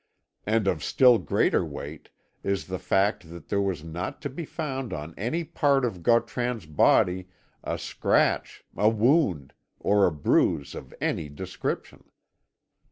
And of still greater weight is the fact that there was not to be found on any part of Gautran's body a scratch, a wound, or a bruise of any description.